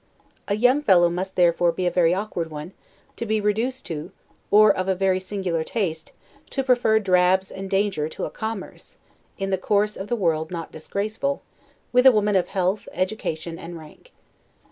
A young fellow must therefore be a very awkward one, to be reduced to, or of a very singular taste, to prefer drabs and danger to a commerce (in the course of the world not disgraceful) with a woman of health, education, and rank.